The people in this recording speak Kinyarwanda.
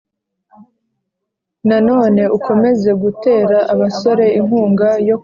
Nanone ukomeze gutera abasore inkunga yo kujya